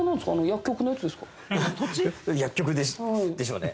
・薬局でしょうね。